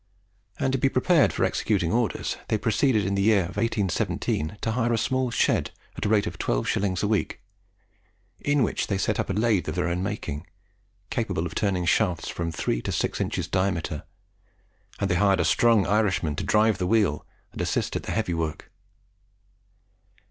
And to be prepared for executing orders, they proceeded in the year 1817 to hire a small shed at a rent of 12s. a week, in which they set up a lathe of their own making, capable of turning shafts of from 3 to 6 inches diameter; and they hired a strong Irishman to drive the wheel and assist at the heavy work.